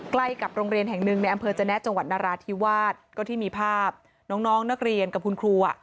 ใกล้กับโรงเรียนแห่งหนึ่งในอำเภอจนะจังหวัดนราธิวาสก็ที่มีภาพน้องน้องนักเรียนกับคุณครูอ่ะ